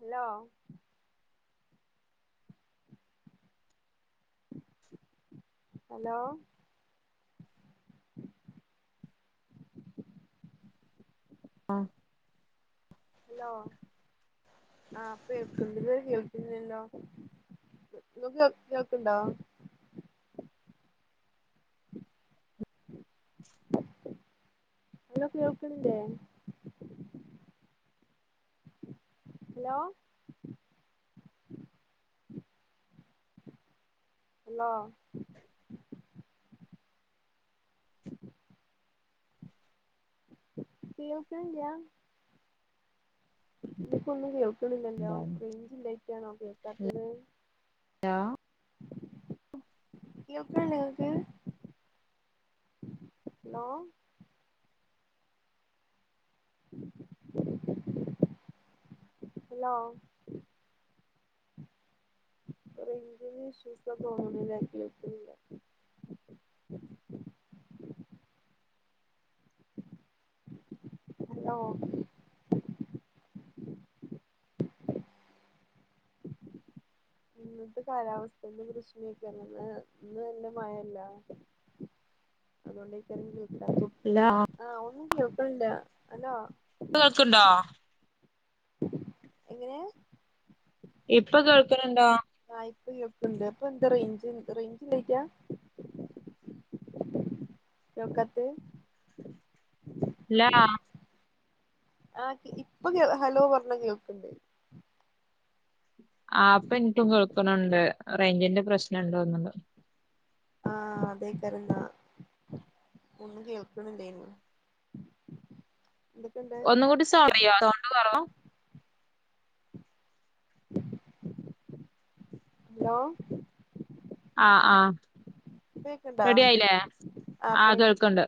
Hello hello ആഹ് hello ആഹ് പ്പേൾക്ക് ണ്ട് ഇത് വരെ കേൾക്കുന്ന് ല്ലല്ലോ [inaudible] കേൾക്ക് ണ്ടോ ങ്ങൾകേൾക്കുന്നില്ലേ ഹലോ ഹലോ കേൾക്ക്ണില്ലാ ഇതിക്കൊന്നും കേൾക്ക്ണില്ലല്ലോ എന്താണ് റേഞ്ചില്ലായ്റ്റാണോ കേൾക്കാത്തത് ലോ കേൾക്കിണില്ലെങ്ങക്ക് ഹലോ ഹലോ റേയ്ഞ്ചിന്റെ ഇഷ്യൂസാ തോന്നുണുലെ കേൾക്കിണില്ല ഹലോ ഇന്നത്തെ കാലാവസ്ഥന്റെ പ്രശ്ണേക്കാരം ന്ന് ഇന്ന് നല്ല മഴല്ലെ അതോണ്ടേക്കാരം കേക്കാത്തു ലാ ആഹ് ഒന്നും കേൾക്ക്ണില്ല ഹലോ പ്പൊ കേൾക്ക്ണ്ടോ എങ്ങനേ ഇപ്പൊ കേൾക്ക്ണണ്ടോ ആഹാ ഇപ്പം കേൾക്ക്ണ്ട് അപ്പൊ എന്താ റേയ്ഞ്ച് റേയ്ഞ്ചില്ലായിറ്റാ. കേൾക്കാത്തെ ലോ ആഹ് ഇപ്പൊ കേ ഹലോ പറഞ്ഞാ കേൾക്കണ്ട്. ആഹ് അപ്പം എനിക്കും കേൾക്ക്ണ്ണ്ണ്ട് റേഞ്ചിന്റെ പ്രശ്ണംണ്ടോന്ന്ണ്ട് ആഹ് അതേക്കാരംന്നാ. ഒന്നും കേൾക്ക്ണ് ഇണ്ടേയിര്ന്നു. ഒന്നുംകൂടി [unintelligible] റൗണ്ട് [unintelligible] ഹലോ. ആഹ് ആഹ് ഇപ്പ കേക്ക്ണ്ടോ റെഡി ആയില്ലേ ഇപ്പൊ ആഹ് റെഡി കേൾക്ക്ണ്ട്.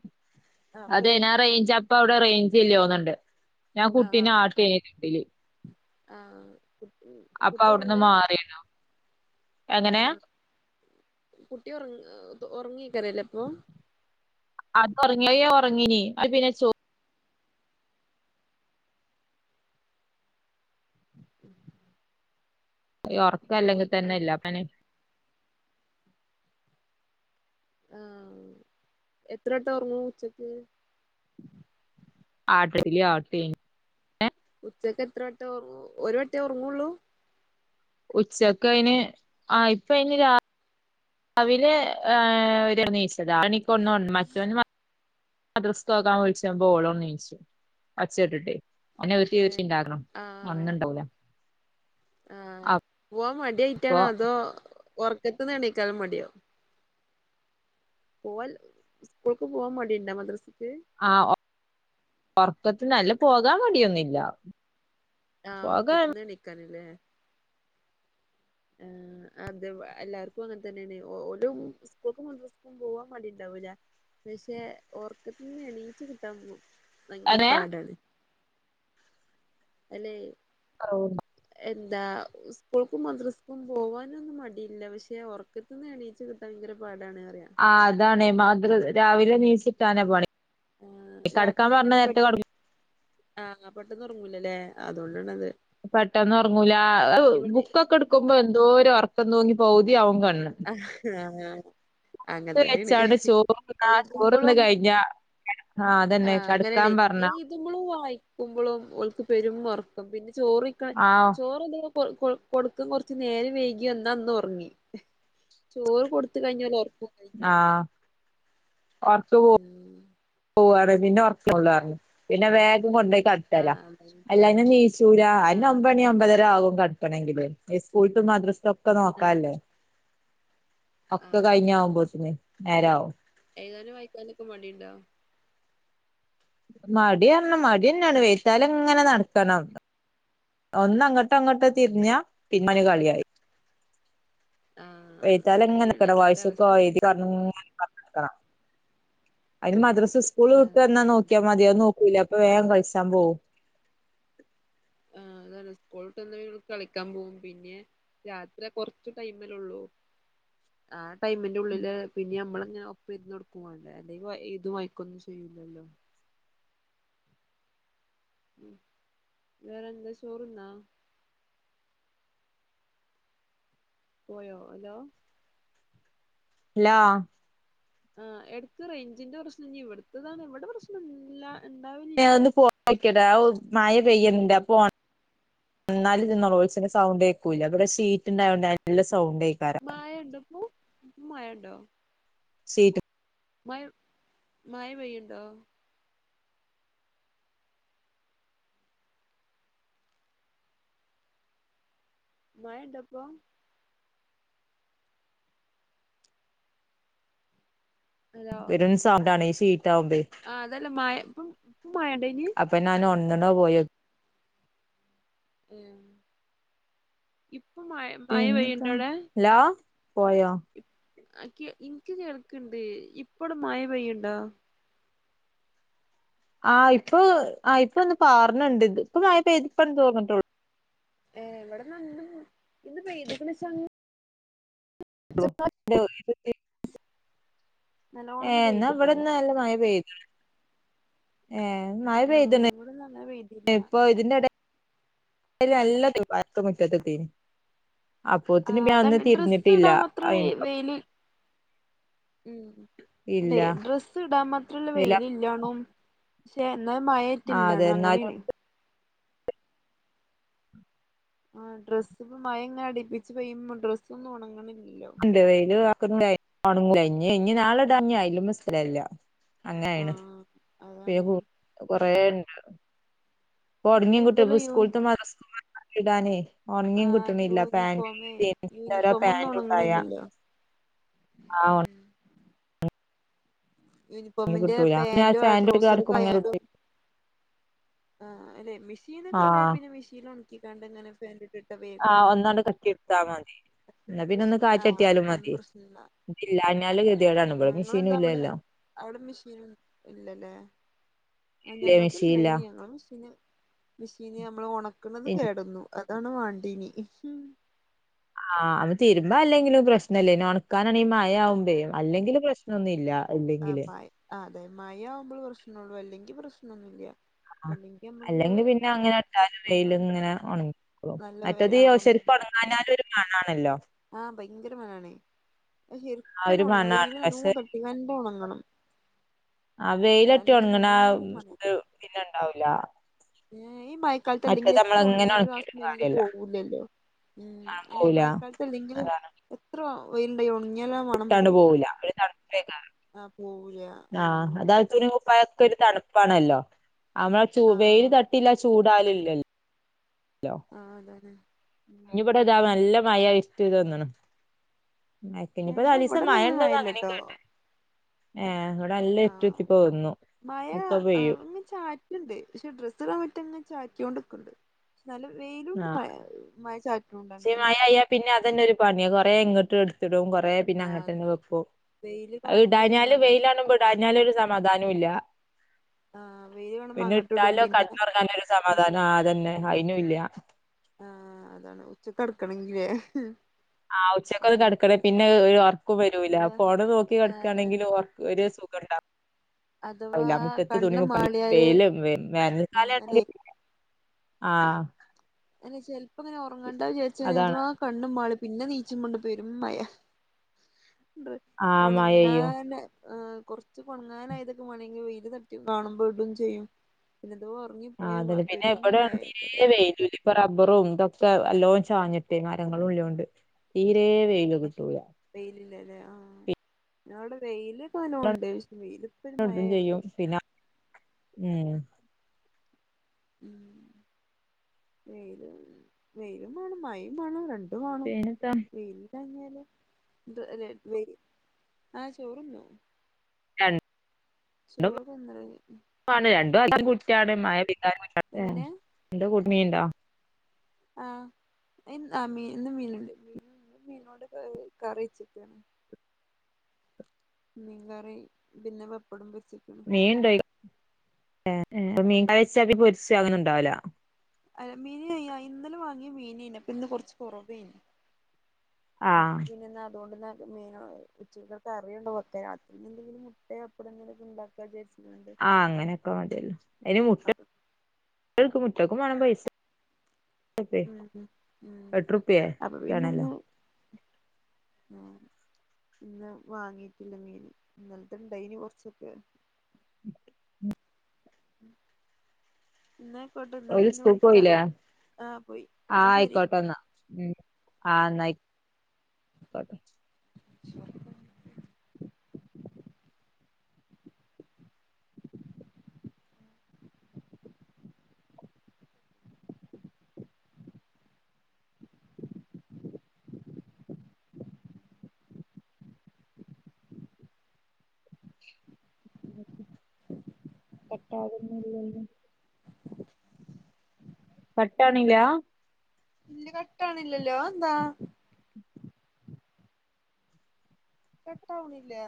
ആഹ് ഇപ്പൊ അതെ റെഡി ഞാ റെയ്ഞ്ച് അപ്പം അവിടെ റേഞ്ച് ഇല്ലോന്ന്ണ്ട് ഞാൻ ആഹ് കുട്ടിനെ ആട്ടെയ്നി [unintelligible] ആഹ് കുട്ടി അപ്പൊ കുട്ടി അവിടുന്ന് ഉറങ്ങാ. മാറിയതാ എങ്ങനെ ആഹ് ഹാ കുട്ടി ഉറ ഉറങ്ങേക്കാരല്ലേ ഇപ്പൊ. അത് ഉറങ്ങിയ ഉറങ്ങീനി അത് പിന്നെ [unintelligible] ഉം ഈ ഉറക്കം അല്ലെങ്കിൽ തന്നെ ആഹ് ഇല്ല [unintelligible] ആഹ് എത്ര വട്ടം ഒറങ്ങും ഉച്ചക്ക്. [unintelligible] [unintelligible] ഏഹ് ഉച്ചക്ക് എത്ര വട്ടം ഒരു വട്ടേ ഉറങ്ങുള്ളൂ. ഉച്ചക്ക് അയിന് ആ ഇപ്പം അയിന് രാ വിലെ ഏ ഒരുവട്ടം നീച്ചതാ ആറണിക്ക് ഒണന്ന് ഒണ് മറ്റോന് മ ദ്രസ്ക്ക് പോകാൻ വിള്ച്ചപോ ഓളുംന്നീച്ചു ഒച്ചേട്ടിട്ടേ. ഓനെ ഉര്ട്ടി ഏഹ് ഉര്ട്ടിണ്ടാക്കണം ആഹ് ഒണ്ന്ന്ണ്ടാകുല ആഹ് പോവാൻ മടി അപ്പൊ ആയിട്ടാണോ അതോ ഒറ്ക്കത്തിന്നെണീക്കാൻ മടിയോ. പോവാൽ സ്കൂൾക്ക് പോവാൻ മടിയുണ്ടാ മദ്രസക്ക്. ആഹ് ഒ ഒറ്ക്കത്തിന്ന് അല്ല പോകാൻ മടിയൊന്നില്ല ആഹ് ഉർക്കത്തിന്ന് എണിക്കാനല്ലേ. ആഹ് അത് എല്ലാർക്കും അങ്ങനെ തന്നെയാണ് ഓലും സ്കൂൾക്കും മദ്രസ്ക്കും പോവാൻ മടി ഉണ്ടാവൂല. പക്ഷെ ഒർക്കത്തിന്ന് എണീച്ച് കിട്ടാൻ പോ ഭയങ്കര അനെ പാടാണ്. അല്ലെ. [unintelligible] എന്താ സ്കൂൾക്കും മദ്രസ്ക്കും പോവാനൊന്നും മടിയില്ല പഷെ ഒർ ക്കതിന്ന് എണീചുകിട്ടൻ ഭയങ്ക പാടാണ്റിയാ ആഹ് അതാണേ മാതൃ രാവിലെ നീച്ചിട്ടന്നെ പണി കടക്കാൻ രാത്രി പറഞ്ഞ എങ്ങനെ നേരത്തെ പെട്ടെന്ന് കടക്കൂലാ ആഹ് പെട്ടെന്ന് ഉറങ്ങൂലല്ലേ അതുകൊണ്ടാണ്ത്. പെട്ടന്ന ഉറങ്ങൂല ബുക്കൊക്കെ എടുക്കുമ്പോ എന്തോ ഒരു ഉറക്കന്ന തോങ്ങി പോതിയാവും കണ്ണ്. ആഹ് അങ്ങഅങ്ങനെ ബുക്ക് തന്നെയാണ് വെച്ചാണ്ട് ചോറ്ന്നാ ചോറ്ന്ന് എയ്തുമ്പുളും. കഴിഞ്ഞാ അതന്നെ ആഹ് അങ്ങനെണ് കടക്കാൻ പറഞ്ഞ എയ് തുമ്പളും വായിക്കുമ്പോളും ഓല്ക്ക് പെരും ഒറക്കും പിന്നെ ചോറ് ചോറോയിക്കാൻ ആഹ് ചോറെന്തെങ്കിലും. കൊ കൊ കൊടുക്കും കൊറച്ച നേരം വൈകി വന്ന അന്ന് ഉറങ്ങി ചോറ് കൊടുത്ത് കഴിഞ്ഞാൽ ഒറക്കും. ആഹ് ഉം [unintelligible] പോവാണ് പിന്നെ ഉറക്കള്ളു പിന്നെ വേഗം കൊണ്ട കട് ആ അല്ല അതാണ് അല്ലാന്നാ നീച്ചൂര ആ അന്നെ ഒമ്പണി അമ്പതര ആകും കട് ക്കണെങ്കില് ഈ സ്കൂള്ത്തും മദ്രസത്തൊക്കെ ആ നോക്കാല്ലേ. ആ ഒക്കെ കഴിഞ്ഞ ആഉമ്പോതിന് നേരവും. ഏതാനും വായിക്കാനൊക്കെ മടിയുണ്ടോ മടി പറണം മടിന്നെയാണ് വെയ്ത്താല എങ്ങനെ നടക്കണം ഒന്ന് അങ്ങോട്ടോ അങ്ങോട്ട് തിരിഞ്ഞ പിന്മാന കളിയായി ആഹ് അതാണ് എല്ലാരും അവസ്ഥയും പറഞ് നോക്കണം അതിന് മദ്രസ് സ്കൂള് ആ വിട്ട് തന്നാ നോക്കി ഒിക്കാ മതിയന്ന് നോക്കൂല അപ്പൊ വേം കഴിച്ചാൻ പോവും ആഹ് അതാണ് സ്കൂളട്ടന്നവക്ക് കളിക്കാൻ പോകും പിന്നെ രാത്രിയ കൊറച്ച ടൈമല്ലള്ളൂ ആ ടൈമിന്റെ ഉള്ളില് പിന്നെ നമ്മളങ്ങനെ ഒപ്പ് പെരന്നൊടുക്കുവാണ്ടേ അല്ലെങ്കിവാ എയ്തും വായക്കൊന്നും ചെയ്യില്ലല്ലോ ഉ വേറെ എന്ത ചോറുന്നാ പോയോ ഹലോ ഹലോ ആഹ് എടുക്ക് റേഞ്ചിന്റെ പ്രശ്നം ഇഞ് ഇവിടുത്തതാണ് എവിടെ പ്രശ്ന ഇല്ല ഞ ഇണ്ടാവലില്ല ഒന്ന് പോ വക്കടാ മായ പെയ്യണ്ട അപ്പൊ എന്നാലുത് ന്നൊലോചിന്റെ സൗണ്ട് ഏക്കൂല്ല ഇവിടെഷീറ്റ് ഉണ്ടായോണ്ട് നല്ല സൗണ്ട് ആക്കാ മായ ഉണ്ട് പൂ മയണ്ടോ സീറ്റ് മഴ മയ വയ്യുണ്ടോ മഴണ്ടപ്പോ പെരും സൗണ്ട് ആണ് ഈഷീറ്റാവുമ്പേ ആഹ് അതല്ലെ മായ ഇപ്പം മായണ്ടഇന് അപ്പൊ ഞാൻ ഒന്നണോ പോയ ഇപ്പൊ മഴ മഴ പെയ്യണ്ടോടെ ലോ പോയോ ഇക്ക് ഇനിക്ക് കേൾക്ണ്ട് ഇപ്പട മഴ പെയ്യുണ്ടോ ആഹ് ഇപ്പൊ അഹ് ഇപ്പൊന്ന് പാർണ്ണ്ട് ഇത് ഇപ്പൊ നായ പേതിപ്പന്ന് തോന്നിട്ടോുള്ളൂ ഏഹ് എവിടെന്നും ഇത് പെയതിക്ക [unintelligible] ഏഹ് നല്ലോണൊന്നും എന്നാ പെയ്തിട്ടില്ല ഇവിട്ന്ന് നല്ല മഴ പെയ്ത്. ഏഹ് മഴ ആഹ് പെയ്തിന് ഇവിടൊന്നും അങ്ങനെ പെയ്തില്ല ഇപ്പൊ ഇതിന്റെടെ [unintelligible] [unintelligible] മുറ്റത്തെത്തേനി. ആഹ് അതന്നെ ഡ്രസ്സ് തിരിഞ്ഞിട്ടില്ല ഇടാ മാത്ര വെ വെയില്. ഉം ഇല്ല അല്ലെ ഡ്രസ്സ് ഇടാൻ മാത്രള്ള വെയില വെയിലി വേണം പക്ഷെ എന്നാൽ ആഹ് അതെ മഴേറ്റില്ലണോ എന്നാലും അങ്ങെനേണ്. ആഹ് ഡ്രസ് ഇപ്പ മഴ ഇങ്ങനെ അടിപ്പിച്ച് പെയ്യുമ്പ ഡ്രസ് ഒന്നും ഒണങ്ങണില്ലല്ലോ. [unintelligible] ഒണങ്ങൂല ഇഞ്ഞി ഇഞ്ഞി നാളിടാൻ ഇഞ്ഞി അയ്‌ലുമാ സ്ഥലില്ല. അങ്ങനേണ് ആഹ് പ് അതാണ് കു കൊറേ ഉണ്ട [unintelligible] പിന്നെ ഇവലെ കുട്ടിയക്ക് യൂ സ്കൂള്ത്ത [unintelligible] ഇടാനേ ഒണങ്ങീ ആഹ് കിട്ടുന്നില്ല പാന്റ് യൂണിഫോമേ [unintelligible] യൂണിഫോം ഒന്നും പാൻറ് ഉണങ്ങണില്ലല്ലോ ആഹ് ഉം ഒണങ്ങി യൂണിഫോമിന്റെ കിട്ടൂല പിന്നെ പാന്റ് ആ ഫാന്റെ ഉള്ളിൽ ട്രൗസർ ഒക്കെ കടക്കുമ്പോ അങ്ങനെ ആയാലും ഇടും ആ അല്ലെ മെഷീൻ ഒക്കെ ഉണ്ടായി ആഹ് പിന്നെ മെഷീൻ ഉണക്കിക്കാണ്ട്ങ്ങനെ പാന്റക്കെ ആഹ് ഒന്നാണ്ട് കറക്കി എടുത്താ മതി. എന്നാ [unintelligible] പിന്നെ ഒന്ന് പ്രശ്ന ആഹ് കാറ്റട്ടിയാലും [unintelligible] മതി പ്രശ്നല്ല. ഇല്ലാഞ്ഞാല് ഗതികേടാണ് ഇപ മെഷേനും ഇല്ലല്ലോ. അവ്ടെ മിഷേൻ ഇല്ലല്ലേ ആ ഇല്ലേ ഞങ്ങൾക്ക് മെഷീൻ ഇല്ല ഇണ്ടേയ്ന്യ. ആ മിഷിന് മിഷീന് നമ്മള് ഒണക്കണത് കേടന്നു അതാണ് വാണ്ടിനി. ആഹ് അവത് തീരുമ്പോ അല്ലെങ്കിലും പ്രശ്നല്ലേ ഇനി ഒണക്കാനാണെങ്കി ആഹ് മഴയാവുമ്പേ അല്ലങ്കിലും പ്രശ് നൊന്നില്ല ആഹ് ഇല്ലങ്കില്. മഴ ആഹ് ആതെ മയ ആവുമ്പോള് പ്രശ്നൊള്ളു അല്ലെങ്കി പ്രശ്നൊന്നൂല്യ. ആ അല്ലെങ്കി നമ്മക്ക് അല്ലെങ്കി പിന്ന അങ്ങനെട്ടാലും വെയ്ല് ഇങ്ങനെ ഒണങ്ങി കോളും. നല്ല മറ്റത് ആഹ് ശരിക്ക്‌ ഒന്നങ്ങാഞ്ഞാലുരു മണാണല്ലോ. ആ ഭയങ്കര മണാണ്. ആ ഒരു ശരിക്കൊനെ ഒണങ്ങണം മണാണ്. വെയില് നല്ലോം പക്ഷെ തട്ടികാണ്ട് ഒണങ്ങണം. ആ വെയിലട്ടി അല്ലെങ്കി ഒണങ്ങ ആ നല്ല മണ ഇത് പിന്നെ ഇണ്ടാവുല. ഏഹ് ഈ മഴക്കാലത്തല്ലെങ്കില് എത്ര ഒണങ്ങിയാലും ആ ഒണക്കിയിട്ടും സ്മെല്ല് കാര്യല്ല. പോവൂലല്ലോ. ഉം മണം അല്ലെ പോവൂല. മഴക്കാലത്തല്ലെങ്കിലും അതാണ് എത്ര വെയില്ണ്ടായി ഒണങ്ങിയാലാ ആ മണ ട്ടാണ്ട് പോവൂല്ല പിന്ന [unintelligible] ആ പോവൂല. ആ ആഹ് അതായിട്ടൊരു [unintelligible] ക്കെരു തണുപ്പാണല്ലോ നമ്മള ച്ചു ആ വെയില് തട്ട് ട്ടില്ല ചൂടാലുംലില്ല ആഹ് അതന്നെ. ഉം ഇപ്പോതാ നല്ല മഴ [unintelligible] തോന്നണു. മഴ കിഞ്ഞിപ്പം ഏതാ നാലിസം ഇവിടൊന്നും അങ്ങനെ മഴണ്ട്ന്ന അങ്ങനിം മഴല്ലട്ടോ കേട്ടെ. ഏഹ് ഇവടെ നല്ല ആ ഇര്ട്ടി ഇര്ട്ടി പ്പോവുന്നു. മഴ ഇപ്പ ആ പെയ്യും. ഇങ്ങനെ ചാറ്റ്ണ്ട് പക്ഷെ ഡ്രസിടാൻ പറ്റിയങ്ങാ ചാറ്റിയോണ്ട്ക്ക്ണ്ട്. നല്ല വെയിലുണ്ട് ആഹ് മഴ മഴ ചായ്ക്കുണുണ്ട് പക്ഷെ അങ്ങനേണ്. മഴയായ പിന്നെ അതന്നെരു പണിയ കൊറെ ഇങ്ങട്ട് ഇട്ത്ടും കൊറെ പിന്നെ ആ അങ്ങട്ടന്നെ അതാണ് വെക്കും. വെയില് അത് കാണുമ്പോ ഞമ്മൾ ഇടാഞ്ഞാല് അങ്ങോട്ടിടും വെയിലാണുമ്പോ ചെയ്യും ഇടാഞ്ഞാലൊരു സമാധാനുല്ല. ആ വെയില് കാണുമ്പോ പിന്നെ അങ്ങോട്ടിടും ഇട്ടാലോ പിന്നെ കട്ന്നൊർങ്ങാനൊരു സമാധാനൊ ഇങ്ങോട്ടിടും ആഹ് അതന്നെ അയിനുല്ല. ആഹ് അതാണ് ഉച്ചക്ക് കെട്ക്ക്‌ണെങ്കില്ലേ. ആഹ് ഉച്ചക്കൊന്ന് കെടക്കണേ പിന്നെ ഏ ഒരു ഒർക്കു വരൂല, അഥവാ ഫോണ് നോക്കി ആ അതാ കെടക്കാണെങ്കിലു ഒർക് ഒര്, സുഖണ്ട അഥവാ അല്ല മുറ്റത്ത് കണ്ണ് തുണികുപ്പാങ്കി മാളിയാല് വെയില് വെ ഉം അല്ലെ വേനൽക്കാലണെങ്കി ആ. ല്ല ചെലപ്പോങ്ങനെ ഉറങ്ങാണ്ടാചാരിച്ച അതാണ് അധവകണ്ണ്മാളി പിന്നെനീച്ചുമ്പണ്ട് പെരും മയ. ഡ്ര് ആ മഴ പെയ്യും ഒണങ്ങാന്- അഹ് കുറച്ചോ കൊണങ്ങാനായതൊക്കെഒണങ്ങി വെയിൽ തട്ടി കാണുമ്പോ ഇടുംചെയ്യും. പിന്നെതോ ഉറങ്ങിപ്പോയെവപെരും മയെകാരം. പെയ്യ്തൂല്- ഇപ്പോറബ്ബറും ഇതൊക്കെഅല്ലോ ചാഞ്ഞട്ട് മരങ്ങളുല്ലോണ്ട് തീരെ വെയില് കിട്ടൂല. വെയിലില്ലല്ലെ ആഹ് [unintelligible] ന്തോടെടെ വെയിപ്പോ നല്ലൊൺണ്ട് വെയിപ്പൊ പിന്നെ ഇടും മയയുണ്ട്. ചെയ്യും പിന്നെ ഉം. ഉം വെയിലും വെയിലുമാണം മയിംമാണം രണ്ടു ത് മണം പിന്നെത്താ വെയിൽ- തങ്ങെല് ത് വെ വെയി അഹ് ചോറുണ്ടു- ചോറ്ന്നലെഴിഞ്. റ്റാണ് രണ്ടുഅതുംകുറ്റാണ് മഴപെയ്താലുകുറ്റണ് എങ്ങനെ [unintelligible] ആഹ് ഇന്നമീന് ന്ന്മീന്ണ്ട് മീനോട് കറി കറിച്ചിക്കാ മീൻകറി പിന്നെപപ്പടും പൊരിച്ച്ക്ക മീൻണ്ടയ് ഏഹ് എഹ് മീൻ കറിച്ചപൊരിച്ച അങ്ങനെണ്ടാവൂല. അയ് മീന്യാ ഇന്നലെവാങ്ങിയ മീനേന്പ്പൊ ഇന്ന് കൊർച്ച്കുറവേഞ്ഞു. ആഹ് അപ്പൊപിന്നെന്ന അതൊണ്ട്ന്ന മീനൊ ഉച്ചകതെറിയ്ണ്ട് ത്ത് രാത്രിക്ക്ഞ്ഞ് മുട്ടെപ്പടങ്ങൊക്കെണ്ടാക്കാരിച്ച്. ആഹ് അങ്ങനെയൊക്കമതിയല്ലോ അതിന് മുട്ട അപ്പൊ മുട്ടക്കുംമാണം പൈസ ഉം ഉം ഉം എട്ടുറുപ്യേ റ്റാണല്ലോ അപ്പൊപിന്നെന്താ അഹ്. ഇന്ന് വാങ്ങീട്ടില്ല മീന് ഇന്നൽത്ത്ഇണ്ടയിന് കൊർച്ചൊക്കെ [inaudible] ഉം. ഇന്നയിക്കോട്ടെ ന്ന ഓല് പിന്നെ സ്കൂൾക്ക് വിളിക്കാ പോയില്ലേ ആഹ് പോയി ആഹ് ന്നശരി. ആയിക്കോട്ടെ എന്നാ ഉം ആഹ് ന്നായിക്കൊട്ടേ [unintelligible] [unintelligible] തെറ്റായിതൊന്നുല്ലല്ലോ. പട്ടാണീല ഇല്ല് കട്ടാണില്ലല്ലോ അത് എന്താ? കട്ടാവണില്ല.